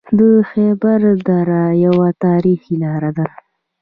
د خیبر دره یوه تاریخي لاره ده